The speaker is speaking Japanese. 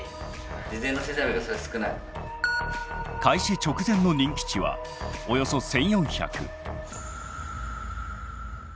開始直前の人気値はおよそ１，４００。